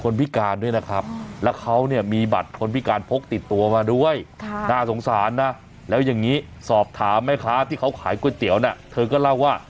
นามสกุลกรรณฑ์อายุสี่สิบสี่ปีเอานายพลไหมหรือ